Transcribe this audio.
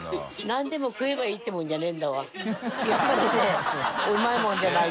何でも食えばいいってもんじゃないんだよ」